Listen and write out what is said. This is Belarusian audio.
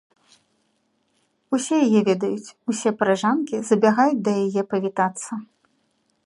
Усе яе ведаюць, усе парыжанкі забягаюць да яе павітацца.